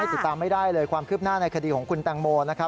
ติดตามไม่ได้เลยความคืบหน้าในคดีของคุณแตงโมนะครับ